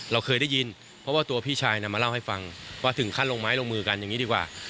เราเคยได้ยินเพราะว่าตัวพี่ชายมาเล่าให้ฟังว่าถึงขั้นลงไม้ลงมือกันอย่างนี้ดีกว่า